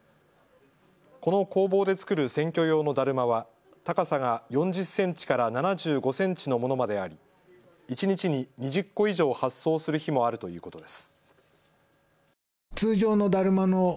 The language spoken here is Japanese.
この工房で作る選挙用のだるまは高さが４０センチから７５センチのものまであり一日に２０個以上発送する日もあるということです。